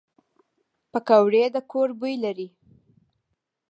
پکورې د کور بوی لري